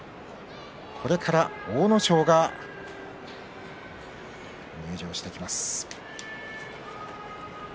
これから阿武咲が入場してきます。